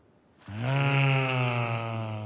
うん。